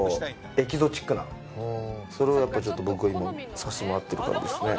それをやっぱちょっと僕は今させてもらってる感じですね。